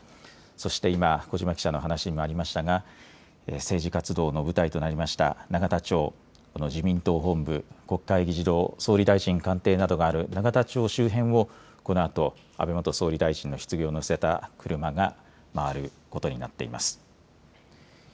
そして今、小嶋記者の話にもありましたが政治活動の舞台となりました永田町の自民党本部、国会議事堂、総理大臣官邸などがある永田町周辺をこのあと安倍元総理大臣のひつぎを乗せた車が回ることになっています。